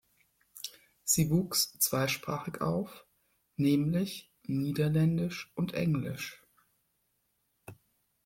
Sie wuchs zweisprachig auf, nämlich niederländisch und englisch.